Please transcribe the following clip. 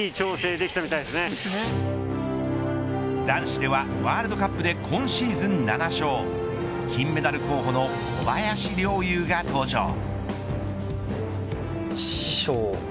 男子ではワールドカップで今シーズン７勝金メダル候補の小林陵侑が登場。